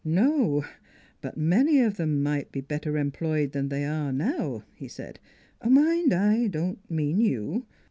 "No; but many of them might be better em ployed than they are now," he said. " Mind, I don't mean you.